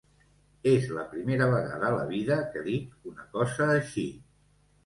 És la primera vegada a la vida que dic una cosa així.